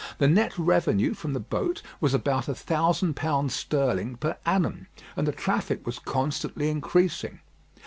The net revenue from the boat was about a thousand pounds sterling per annum, and the traffic was constantly increasing.